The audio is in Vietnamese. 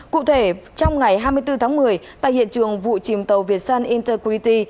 cụ thể trong ngày hai mươi bốn tháng một mươi tại hiện trường vụ chìm tàu việt sun integrity